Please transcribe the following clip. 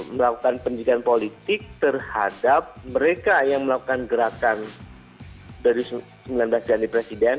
melakukan pendidikan politik terhadap mereka yang melakukan gerakan dua ribu sembilan belas ganti presiden